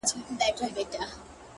هر وختي ته نـــژدې كـيــږي دا.